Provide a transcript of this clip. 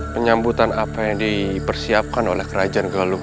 penyambutan apa yang dipersiapkan oleh kerajaan galung